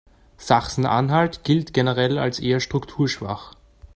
Sachsen-Anhalt gilt generell als eher strukturschwach.